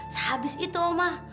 sehabis itu oma